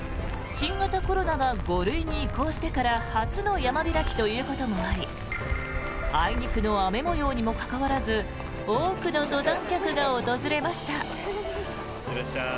新型コロナが５類に移行してから初の山開きということもありあいにくの雨模様にもかかわらず多くの登山客が訪れました。